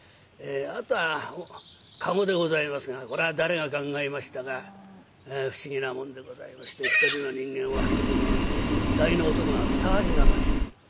あとは駕籠でございますがこれは誰が考えましたか不思議なもんでございまして１人の人間を運ぶのに大の男が２人がかりという。